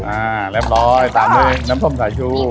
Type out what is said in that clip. อ่าเรียบร้อยตามด้วยน้ำส้มสายชู